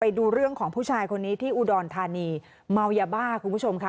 ไปดูเรื่องของผู้ชายคนนี้ที่อุดรธานีเมายาบ้าคุณผู้ชมค่ะ